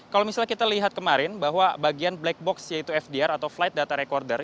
kalau misalnya kita lihat kemarin bahwa bagian black box yaitu fdr atau flight data recorder